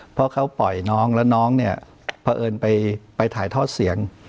เพราะเขาปล่อยน้องแล้วน้องเนี่ยเพราะเอิญไปถ่ายทอดเสียง